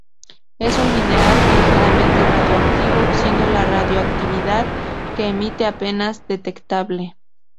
Es un mineral ligeramente radioactivo, siendo la radioactividad que emite apenas detectable.